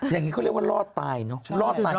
อย่างนี้เขาเรียกว่ารอดตายเนอะรอดตาย